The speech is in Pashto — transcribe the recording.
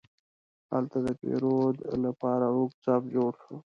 هلته د پیرود لپاره اوږد صف جوړ شو.